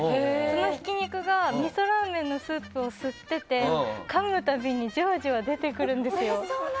そのひき肉がみそラーメンのスープを吸っててかむたびにジュワジュワ出てくるんですよ。